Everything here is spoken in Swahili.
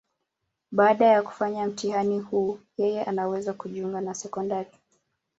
Baada ya kufanya mtihani huu, yeye anaweza kujiunga na sekondari.